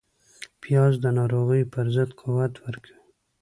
پیاز د ناروغیو پر ضد قوت ورکوي